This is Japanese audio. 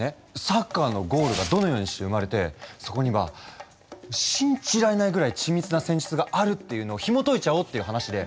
サッカーのゴールがどのようにして生まれてそこには信じられないぐらい緻密な戦術があるっていうのをひもといちゃおうっていう話で。